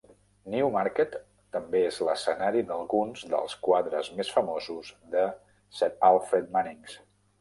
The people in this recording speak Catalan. Newmarket també és l'escenari d'alguns dels quadres més famosos de Sir Alfred Munnings.